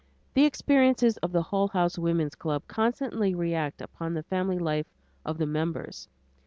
The experiences of the Hull House Woman's Club constantly react upon the family life of the members.